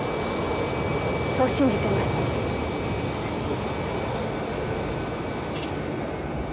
そう信じてます私。